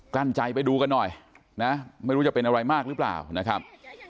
ลั้นใจไปดูกันหน่อยนะไม่รู้จะเป็นอะไรมากหรือเปล่านะครับ